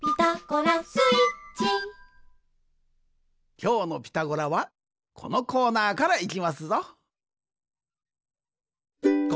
きょうの「ピタゴラ」はこのコーナーからいきますぞ。